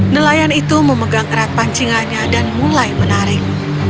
nelayan itu memegang erat pancingannya dan mulai menarik